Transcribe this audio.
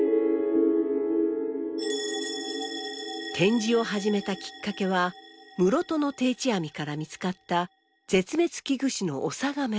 展示を始めたきっかけは室戸の定置網から見つかった絶滅危惧種のオサガメ。